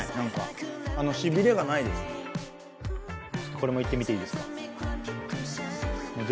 これも行ってみていいですか。